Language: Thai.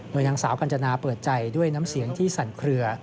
โดยนางสาวกัญจนาเปิดใจด้วยน้ำเสียงที่สั่นเคลือ